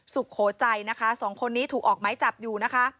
สุโขใจนะคะสองคนนี้ถูกออกไม้จับอยู่นะคะ